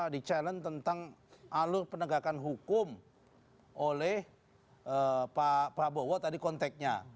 di challenge tentang alur penegakan hukum oleh pak prabowo tadi konteknya